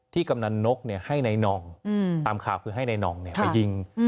ที่กำนันนกให้ในนองตามข่าวคือให้ในนองไปยิง